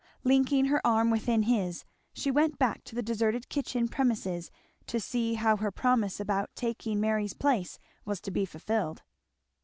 Linking her arm within his she went back to the deserted kitchen premises to see how her promise about taking Mary's place was to be fulfilled.